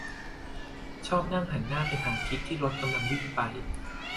- ชอบนั่งหันหน้าไปหาทิศที่รถกำลังวิ่งไป